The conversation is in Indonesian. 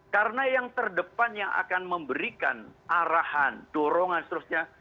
karena yang terdepan yang akan memberikan arahan dorongan seterusnya